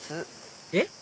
えっ？